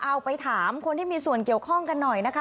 เอาไปถามคนที่มีส่วนเกี่ยวข้องกันหน่อยนะคะ